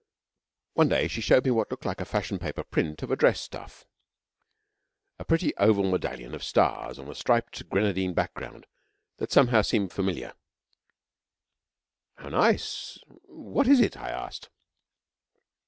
One day, she showed me what looked like a fashion paper print of a dress stuff a pretty oval medallion of stars on a striped grenadine background that somehow seemed familiar. 'How nice! What is it?' I asked.